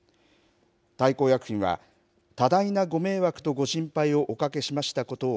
大幸薬品は多大なご迷惑とご心配をおかけしましたことを、